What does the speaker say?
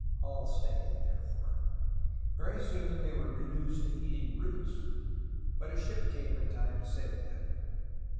All stayed therefore. Very soon they were reduced to eating roots, but a ship came in time to save them.